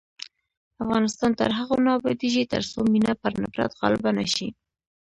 افغانستان تر هغو نه ابادیږي، ترڅو مینه پر نفرت غالبه نشي.